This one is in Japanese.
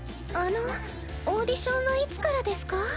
あのオーディションはいつからですか？